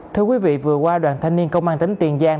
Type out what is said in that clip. thưa quý vị vừa qua đoàn thanh niên công an tỉnh tiền giang